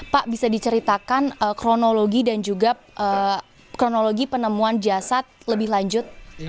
pak bisa diceritakan kronologi dan juga kronologi penemuan jasad lebih lanjut